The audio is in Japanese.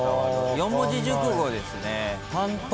四文字熟語ですね。